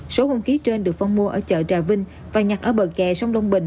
số hồn khí trên được phong mua ở chợ trà vinh và nhặt ở bờ kè sông đông bình